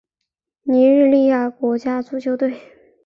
尼日利亚国家足球队